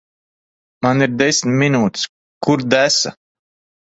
Man ir desmit minūtes. Kur desa?